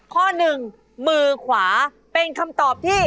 ข้อหนึ่งมือขวาเป็นคำตอบที่